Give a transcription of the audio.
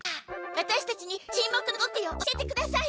ワタシたちに沈黙の極意を教えてください！